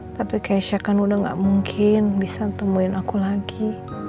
tapi keisha kan udah gak mungkin bisa temuin aku lagi